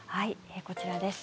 こちらです。